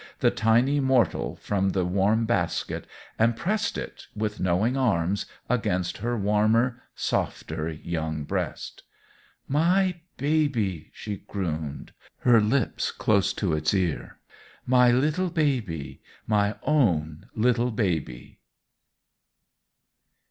the tiny mortal from the warm basket, and pressed it, with knowing arms, against her warmer, softer young breast. "My baby!" she crooned, her lips close to its ear; "my little baby my own little baby!"